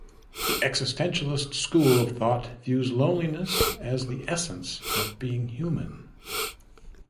The existentialist school of thought views loneliness as the essence of being human.